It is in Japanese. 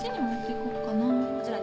こちらに？